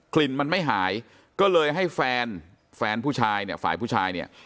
ลิ่นมันไม่หายก็เลยให้แฟนแฟนผู้ชายเนี่ยฝ่ายผู้ชายเนี่ย